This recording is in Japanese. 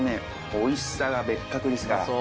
おいしさが別格ですから。